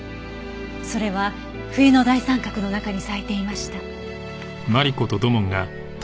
それは冬の大三角の中に咲いていました。